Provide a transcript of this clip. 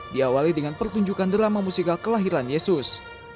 diawali dengan pertunjukan drama musikal kelahiran yesus